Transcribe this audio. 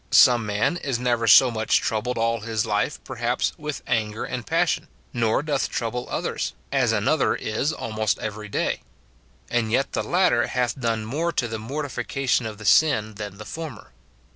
Some man is never so much troubled all his life, perhaps, with anger and passion, nor doth trouble others, as another is almost every day ; and yet the latter hath done more to the mortification of the sin than the former.